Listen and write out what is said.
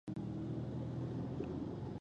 پر مبتدا بسنه مه کوه،